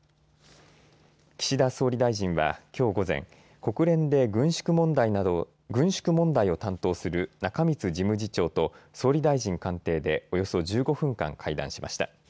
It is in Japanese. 岸田総理大臣はきょう午前、国連で軍縮問題を担当する中満事務次長と総理大臣官邸でおよそ１５分間、会談しました。